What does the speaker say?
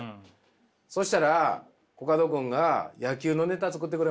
そしたらコカド君がいや。